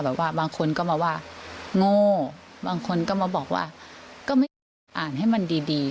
บางคนก็มาว่าโง่บางคนก็มาบอกว่าก็ไม่อยากอ่านให้มันดี